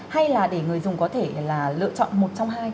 hay là để người dùng có thể là lựa chọn một trong hai